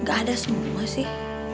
nggak ada semua sih